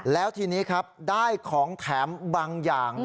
แล้วทีนี้ครับได้ของแถมบางอย่าง